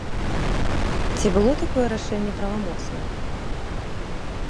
Ці было тое рашэнне правамоцным?